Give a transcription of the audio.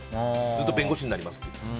ずっと弁護士になりますって。